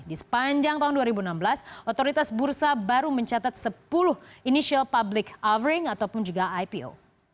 di sepanjang tahun dua ribu enam belas otoritas bursa baru mencatat sepuluh initial public offering ataupun juga ipo